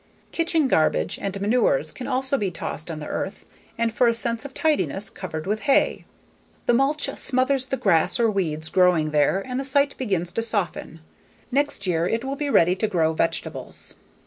Kitchen garbage and manures can also be tossed on the earth and, for a sense of tidiness, covered with hay. The mulch smothers the grass or weeds growing there and the site begins to soften. Next year it will be ready to grow vegetables.